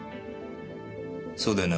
そうだよな？